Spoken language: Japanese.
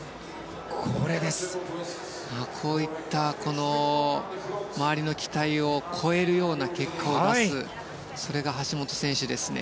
こういった周りの期待を超えるような結果を出すそれが橋本選手ですね。